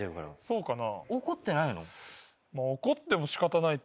そうかな。